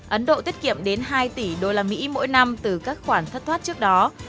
ấn độ tiết kiệm đến hai tỷ usd mỗi năm từ các khoản thất thoát trước đó